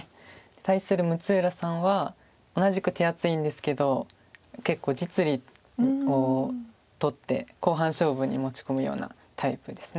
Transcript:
対する六浦さんは同じく手厚いんですけど結構実利を取って後半勝負に持ち込むようなタイプです。